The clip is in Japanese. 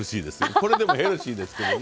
これでもヘルシーですけどね。